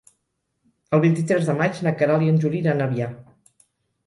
El vint-i-tres de maig na Queralt i en Juli iran a Avià.